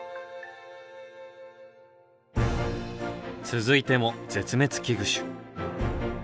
続いても絶滅危惧種。